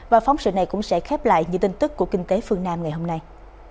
và phóng sự này cũng sẽ khép lại những tin tức của kinh tế phương nam ngày hôm nay